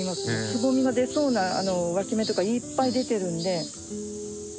つぼみが出そうなわき芽とかいっぱい出てるんで。